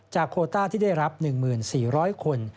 โคต้าที่ได้รับ๑๔๐๐คน